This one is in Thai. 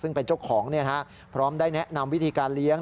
ซึ่งเป็นเจ้าของพร้อมได้แนะนำวิธีการเลี้ยง